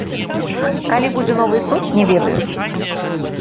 Калі будзе новы суд, не ведаю.